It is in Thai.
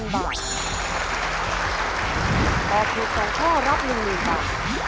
ตอบถุ๒ข้อรับ๑ลินบาท